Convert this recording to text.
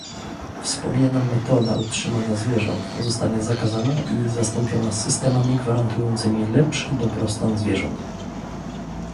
Wspomniana metoda utrzymania zwierząt zostanie zakazana i zastąpiona systemami gwarantującymi lepszy dobrostan zwierząt